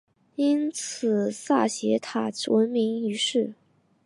因比萨斜塔闻名于世。